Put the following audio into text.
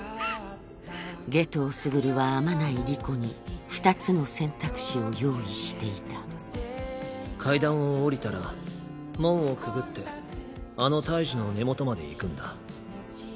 夏油傑は天内理子に２つの選択肢を用意していた階段を下りたら門をくぐってあの大樹の根元まで行くんだ。